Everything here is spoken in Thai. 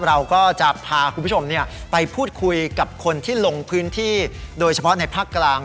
เราก็จะพาคุณผู้ชมไปพูดคุยกับคนที่ลงพื้นที่โดยเฉพาะในภาคกลาง